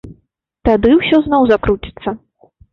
Тады ўсё зноў закруціцца!